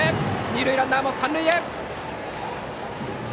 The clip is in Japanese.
二塁ランナーも三塁へ！